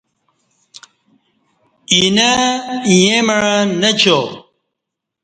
اینہ ایں مع نچا